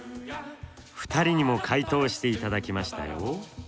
２人にも回答していただきましたよ。